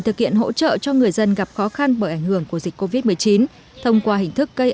thực hiện hỗ trợ cho người dân gặp khó khăn bởi ảnh hưởng của dịch covid một mươi chín thông qua hình thức cây